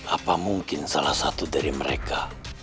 apa mungkin salah satu dari mereka